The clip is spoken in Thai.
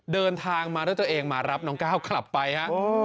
เดินทางมาด้วยตัวเองมารับน้องก้าวกลับไปฮะ